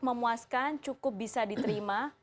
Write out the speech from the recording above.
memuaskan cukup bisa diterima